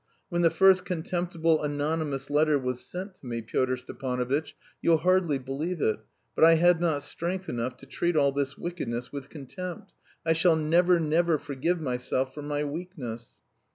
When the first contemptible anonymous letter was sent to me, Pyotr Stepanovitch, you'll hardly believe it, but I had not strength enough to treat all this wickedness with contempt.... I shall never, never forgive myself for my weakness."